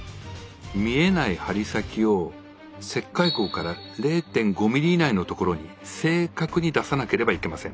見えない針先を切開口から０．５ｍｍ以内のところに正確に出さなければいけません。